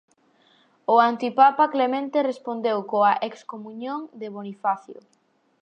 O antipapa Clemente respondeu coa excomuñón de Bonifacio.